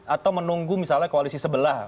atau menunggu misalnya koalisi sebelah